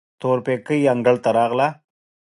تورپيکۍ انګړ ته راغله.